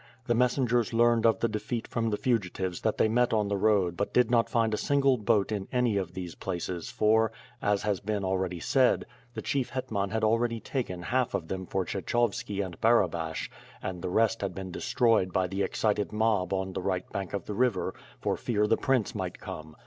The messengers learned of the defeat from the fugitives that they met on their road but did not find a single boat in any of those places for, as has been already said, the Chief Iletman had already taken half of them for Kshechovski and Barabash and the rest had been destroyed by the excited mob on the right bank of the river, for fear the prince might come.